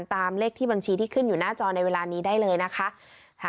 ตามเลขที่บัญชีที่ขึ้นอยู่หน้าจอในเวลานี้ได้เลยนะคะ